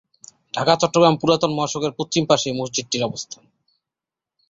ঢাকা-চট্টগ্রাম পুরাতন মহাসড়কের পশ্চিম পাশে মসজিদটির অবস্থান।